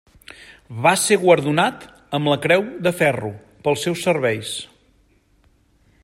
Va ser guardonat amb la Creu de Ferro pels seus serveis.